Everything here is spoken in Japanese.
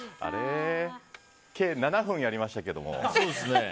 計７分やりましたけども。